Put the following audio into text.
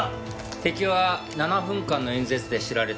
敵は７分間の演説で知られた黒い女神。